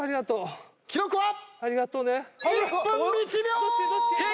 １分１秒！